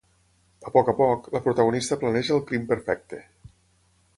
A poc a poc, la protagonista planeja el crim perfecte.